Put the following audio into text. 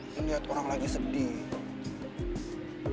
ngeliat orang lagi sedih